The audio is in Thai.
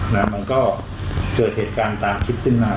แล้วมันก็เกิดเหตุการณ์ตามคลิปขึ้นมา